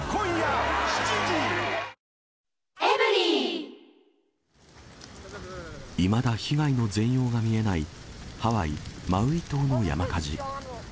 新しくなったいまだ被害の全容が見えないハワイ・マウイ島の山火事。